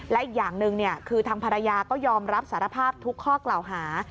และอีกอย่างหนึ่งคือทางภรรยาก็ยอมรับสารภาพทุกข้อกล่าวหา